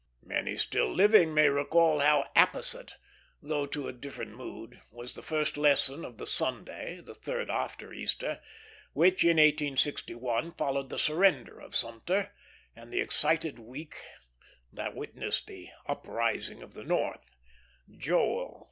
Many still living may recall how apposite, though to a different mood, was the first lesson of the Sunday the third after Easter which in 1861 followed the surrender of Sumter and the excited week that witnessed "the uprising of the North," Joel iii.